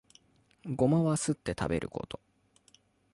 ゴマはすって食べること